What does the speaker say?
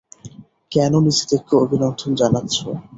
কেন নিজেদেরকে অভিনন্দন জানাচ্ছো?